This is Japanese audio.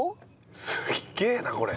すげえなこれ。